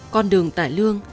con đường tải lương